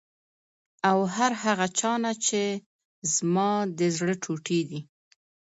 او هر هغه چا نه چې زما د زړه ټوټې دي،